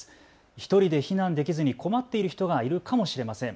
１人で避難できずに困っている人がいるかもしれません。